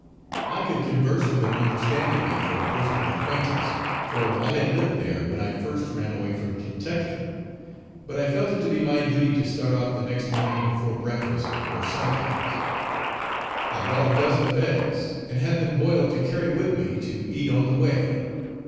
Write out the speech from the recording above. I could converse with him understandingly from personal acquaintance, for I had lived there when I first ran away from Kentucky. But I felt it to be my duty to start off the next morning before breakfast, or sunrise. I bought a dozen of eggs, and had them boiled to carry with me to eat on the way.